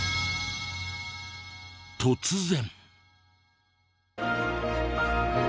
突然。